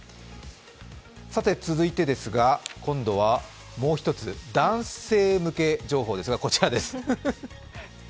続いて、今度はもう一つ男性向け情報ですが、こちらです。